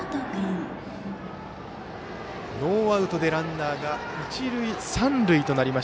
ノーアウトでランナーが一塁三塁。